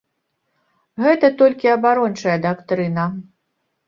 Гэта толькі абарончая дактрына.